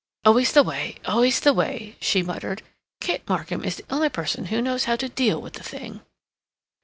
"Always the way, always the way," she muttered. "Kit Markham is the only person who knows how to deal with the thing."